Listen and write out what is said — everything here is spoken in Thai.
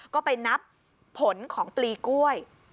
ก็ไปนับผลของปลีกล้วย